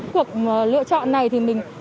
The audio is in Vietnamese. cuộc lựa chọn này thì mình